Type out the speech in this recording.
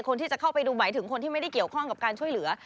คนที่จะเข้าไปดูหมายถึงคนที่ไม่ได้เกี่ยวข้องกับการช่วยเหลือ